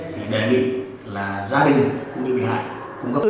thì đề nghị là gia đình cũng như bị hại